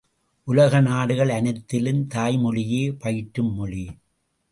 உலக நாடுகள் அனைத்திலும் தாய்மொழியே பயிற்றும் மொழி!